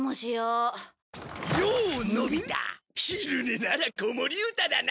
昼寝なら子守歌だな。